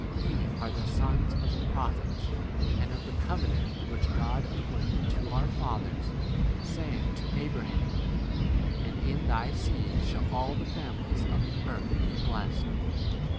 Ye are the sons of the prophets, and of the Covenant which God made with our fathers, saying unto Abraham, 'and in thy seed shall all the kindreds of the earth be blessed.